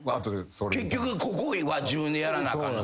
結局ここは自分でやらなあかん。